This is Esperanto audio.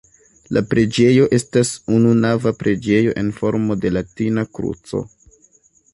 La preĝejo estas ununava preĝejo en formo de latina kruco.